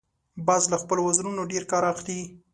باز له خپلو وزرونو ډیر کار اخلي